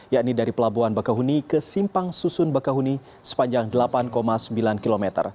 yakni dari pelabuhan bakahuni ke simpang susun bakahuni sepanjang delapan sembilan km